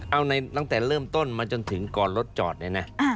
เอาในตั้งแต่เริ่มต้นมาจนถึงก่อนรถจอดเนี่ยนะ